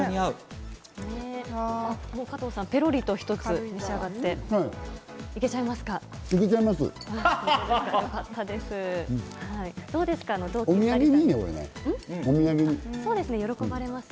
加藤さん、ペロリと一つ召し上がって、いけちゃいます。